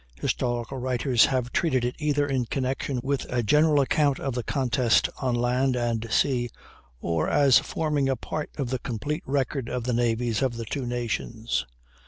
Historical writers have treated it either in connection with a general account of the contest on land and sea, or as forming a part of the complete record of the navies of the two nations.